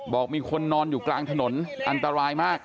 บอกมีคนนอนอยู่กลางถนนอันตรายมาก